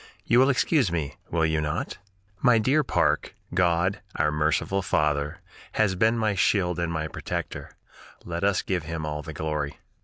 You will excuse me, will you not? "My dear Parke, God, our merciful Father, has been my shield and my protector; let us give Him all the glory.